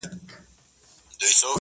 o هغه ښايسته بنگړى په وينو ســـور دى،